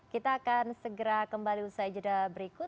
kita akan segera kembali bersajeda berikut